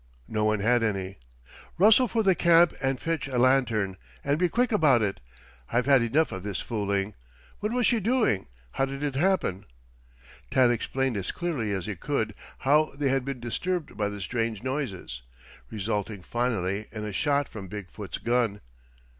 No one had any. "Rustle for the camp, and fetch a lantern and be quick about it! I've had enough of this fooling. What was she doing how did it happen?" Tad explained as clearly as he could how they had been disturbed by the strange noises, resulting finally in a shot from Big foot's gun.